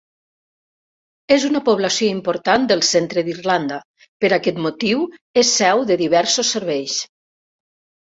És una població important del centre d'Irlanda, per aquest motiu és seu de diversos serveis.